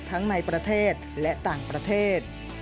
ทั้งในประเทศและต่างประเทศ